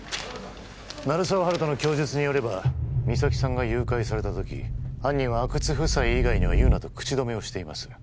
鳴沢温人の供述によれば実咲さんが誘拐された時犯人は阿久津夫妻以外には言うなと口止めをしています